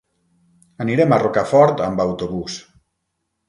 Anirem a Rocafort amb autobús.